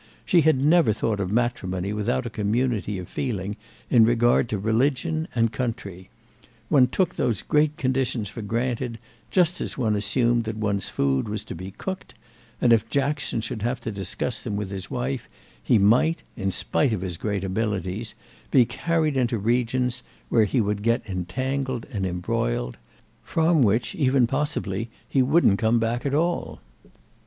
She had never thought of matrimony without a community of feeling in regard to religion and country; one took those great conditions for granted just as one assumed that one's food was to be cooked; and if Jackson should have to discuss them with his wife he might, in spite of his great abilities, be carried into regions where he would get entangled and embroiled—from which even possibly he wouldn't come back at all.